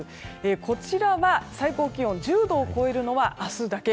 こちらは、最高気温１０度を超えるのは明日だけ。